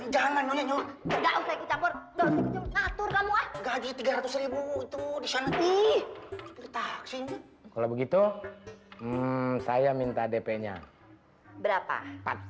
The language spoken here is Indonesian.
jangan nyuruh nyuruh kamu gaji tiga ratus itu di sana kalau begitu saya minta dp nya berapa empat juta